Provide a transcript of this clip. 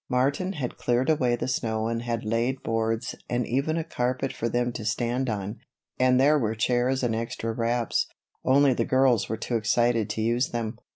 Martin had cleared away the snow and had laid boards and even a carpet for them to stand on, and there were chairs and extra wraps, only the girls were too excited to use them.